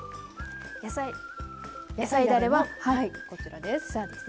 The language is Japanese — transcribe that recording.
野菜だれはこちらです。